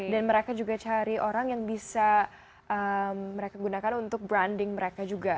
dan mereka juga cari orang yang bisa mereka gunakan untuk branding mereka juga